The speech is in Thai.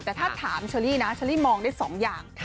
แต่ถ้าถามเชอรี่นะเชอรี่มองได้๒อย่าง